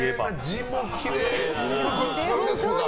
字もきれい。